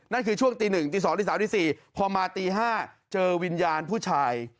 นั่นคือช่วงตีหนึ่งตีสองตีสามตีสี่พอมาตีห้าเจอวิญญาณผู้ชาย